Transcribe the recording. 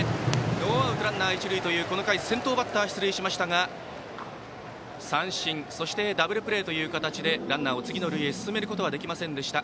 ノーアウトランナー、一塁というこの回、先頭バッターが出塁しましたが、三振そしてダブルプレーという形でランナーを次の塁へ進めることができませんでした。